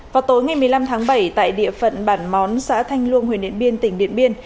vào tối ngày một mươi năm tháng bảy tại địa phận bản món xã thanh luông huyện điện biên tỉnh điện biên